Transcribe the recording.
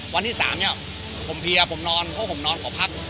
วันที่๓เนี่ยผมเพลียผมนอนเพราะผมนอนขอพัก